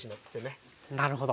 なるほど。